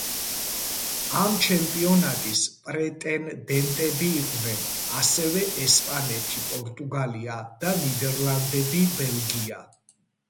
ამ ჩემპიონატის პრეტენდენტები იყვნენ ასევე ესპანეთი-პორტუგალია და ნიდერლადები-ბელგია.